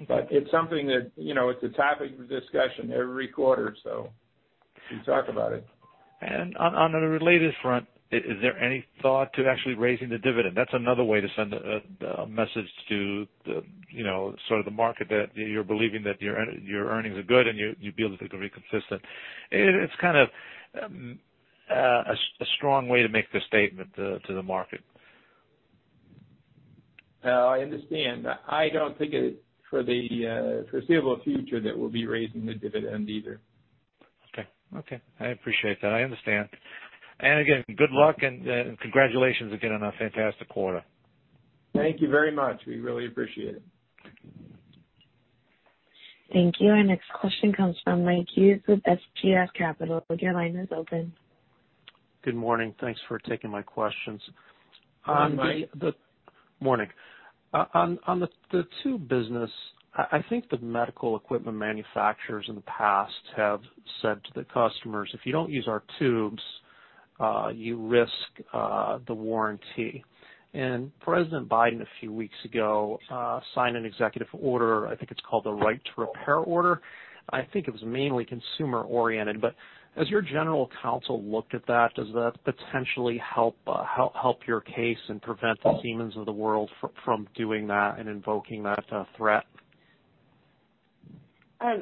Okay. It's something that, it's a topic of discussion every quarter, so we talk about it. On a related front, is there any thought to actually raising the dividend? That's another way to send a message to the market that you're believing that your earnings are good and you believe that they're going to be consistent. It's kind of a strong way to make the statement to the market. I understand. I don't think for the foreseeable future that we'll be raising the dividend either. Okay. I appreciate that. I understand. Again, good luck and congratulations again on a fantastic quarter. Thank you very much. We really appreciate it. Thank you. Our next question comes from Mike Hughes with SGF Capital. Your line is open. Good morning. Thanks for taking my questions. Good morning, Mike. Morning. On the tube business, I think the medical equipment manufacturers in the past have said to the customers, "If you don't use our tubes, you risk the warranty." President Biden a few weeks ago, signed an executive order, I think it's called the Right to Repair order. I think it was mainly consumer-oriented, has your general counsel looked at that? Does that potentially help your case and prevent the Siemens of the world from doing that and invoking that threat?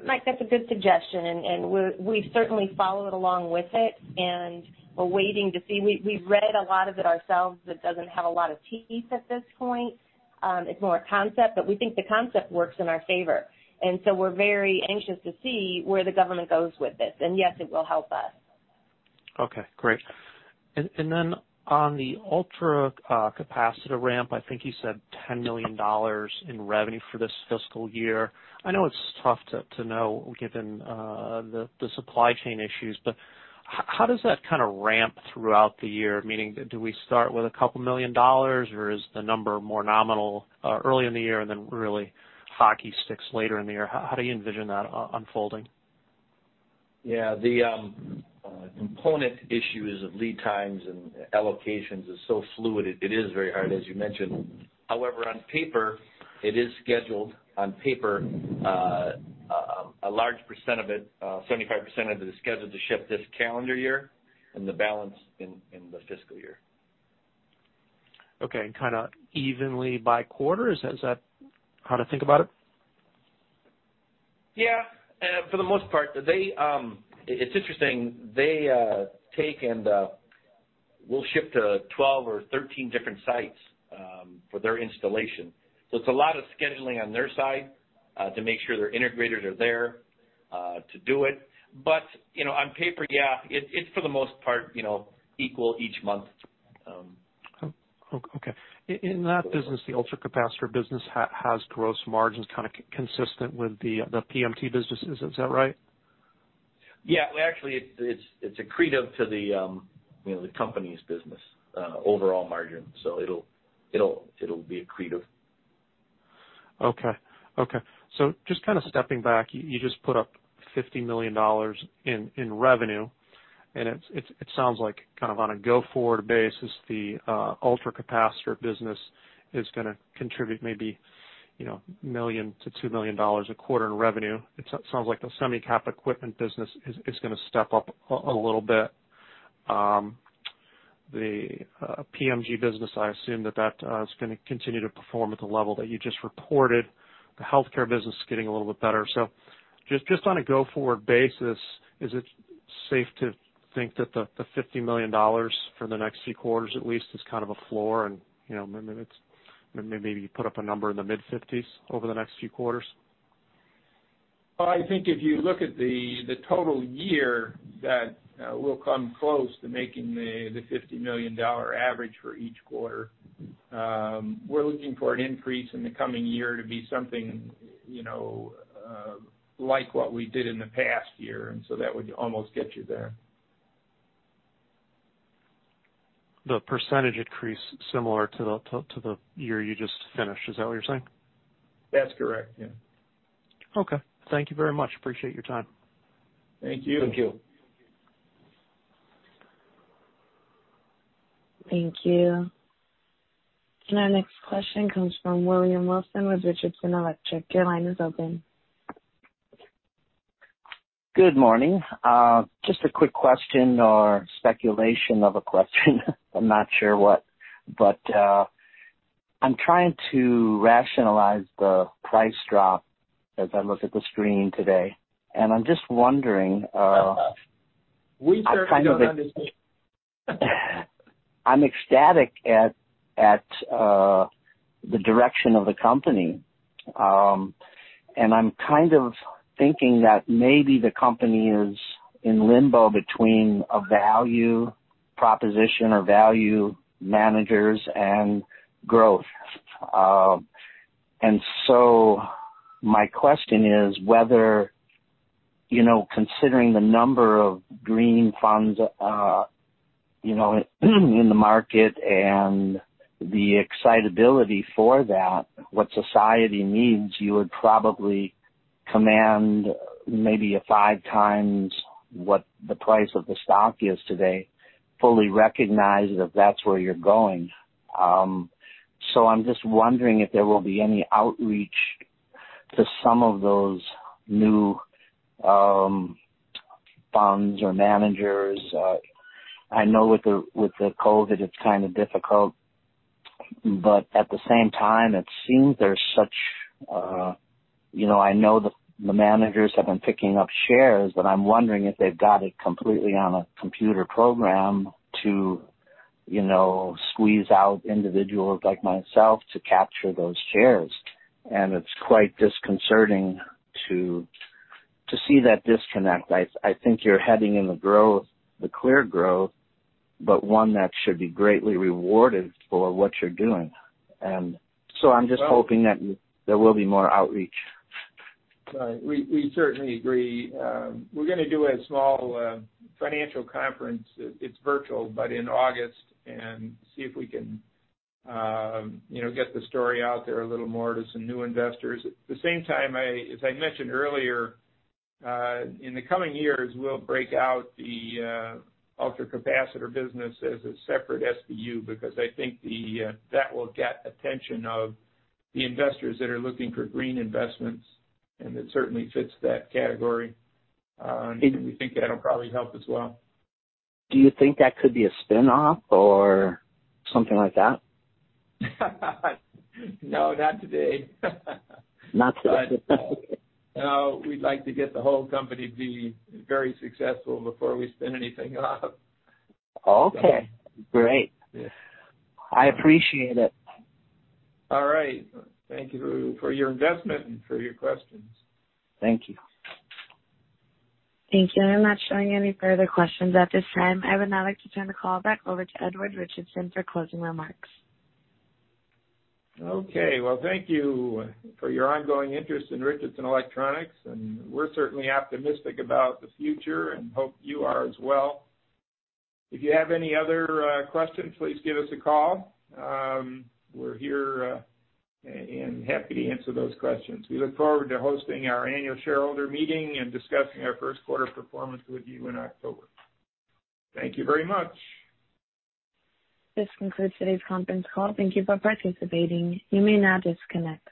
Mike, that's a good suggestion, and we've certainly followed along with it, and we're waiting to see. We've read a lot of it ourselves, but it doesn't have a lot of teeth at this point. It's more a concept, but we think the concept works in our favor, and so we're very anxious to see where the government goes with this. Yes, it will help us. Okay, great. On the ultracapacitor ramp, I think you said $10 million in revenue for this fiscal year. I know it's tough to know given the supply chain issues, how does that kind of ramp throughout the year? Meaning, do we start with a couple million dollars, or is the number more nominal early in the year and then really hockey sticks later in the year? How do you envision that unfolding? The component issues of lead times and allocations is so fluid. It is very hard, as you mentioned. However, on paper, it is scheduled. On paper, a large percent of it, 75% of it is scheduled to ship this calendar year and the balance in the fiscal year. Okay, kind of evenly by quarter? Is that how to think about it? Yeah, for the most part. It's interesting. They take and we'll ship to 12 or 13 different sites for their installation. It's a lot of scheduling on their side to make sure their integrators are there to do it. On paper, yeah, it's for the most part equal each month. Okay. In that business, the ultracapacitor business has gross margins kind of consistent with the PMT businesses, is that right? Yeah. Well, actually, it's accretive to the company's business overall margin. It'll be accretive. Just kind of stepping back, you just put up $50 million in revenue, and it sounds like on a go-forward basis, the ultracapacitor business is going to contribute maybe $1 million-$2 million a quarter in revenue. It sounds like the Semicap equipment business is going to step up a little bit. The PMG business, I assume that is going to continue to perform at the level that you just reported. The healthcare business is getting a little bit better. Just on a go-forward basis, is it safe to think that the $50 million for the next few quarters at least is kind of a floor, and maybe you put up a number in the mid-50s over the next few quarters? I think if you look at the total year, that we'll come close to making the $50 million average for each quarter. We're looking for an increase in the coming year to be something like what we did in the past year, and so that would almost get you there. The percentage increase similar to the year you just finished, is that what you're saying? That's correct, yeah. Okay. Thank you very much. Appreciate your time. Thank you. Thank you. Thank you. Our next question comes from William Wilson with Richardson Electronics. Your line is open. Good morning. Just a quick question or speculation of a question I'm not sure what. I'm trying to rationalize the price drop as I look at the screen today, and I'm just wondering. We certainly don't understand. I'm ecstatic at the direction of the company, I'm kind of thinking that maybe the company is in limbo between a value proposition or value managers and growth. My question is whether, considering the number of green funds in the market and the excitability for that, what society needs, you would probably command maybe a 5 times what the price of the stock is today, fully recognize that that's where you're going. I'm just wondering if there will be any outreach to some of those new funds or managers. I know with the COVID, it's kind of difficult, but at the same time, it seems there's such I know the managers have been picking up shares, but I'm wondering if they've got it completely on a computer program to squeeze out individuals like myself to capture those shares. It's quite disconcerting to see that disconnect. I think you're heading in the growth, the clear growth, but one that should be greatly rewarded for what you're doing. I'm just hoping that there will be more outreach. Right. We certainly agree. We're gonna do a small financial conference, it's virtual, but in August, and see if we can get the story out there a little more to some new investors. At the same time, as I mentioned earlier, in the coming years, we'll break out the ultracapacitor business as a separate SBU, because I think that will get attention of the investors that are looking for green investments, and it certainly fits that category. We think that'll probably help as well. Do you think that could be a spinoff or something like that? No, not today. Not today. No, we'd like to get the whole company to be very successful before we spin anything off. Okay, great. Yes. I appreciate it. All right. Thank you for your investment and for your questions. Thank you. Thank you. I am not showing any further questions at this time. I would now like to turn the call back over to Edward Richardson for closing remarks. Okay. Well, thank you for your ongoing interest in Richardson Electronics. We're certainly optimistic about the future and hope you are as well. If you have any other questions, please give us a call. We're here and happy to answer those questions. We look forward to hosting our annual shareholder meeting and discussing our first-quarter performance with you in October. Thank you very much. This concludes today's conference call. Thank you for participating. You may now disconnect.